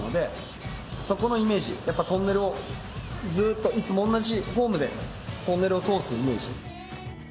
やっぱトンネルをずっといつも同じフォームでトンネルを通すイメージ。